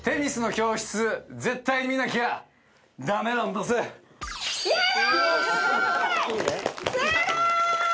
すごーい！